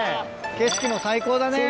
景色も最高だね。